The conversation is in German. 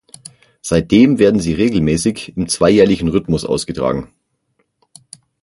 Seitdem werden sie regelmäßig im zweijährlichen Rhythmus ausgetragen.